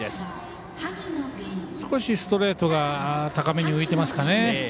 少しストレートが高めに浮いてますかね。